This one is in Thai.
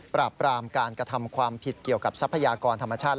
ปราบปรามการกระทำความผิดเกี่ยวกับทรัพยากรธรรมชาติ